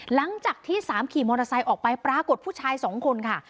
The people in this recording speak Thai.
หลังจากที่๓ขี่มอเตอร์ไซค์ออกไปปรากฏผู้ชายสองคนค่ะ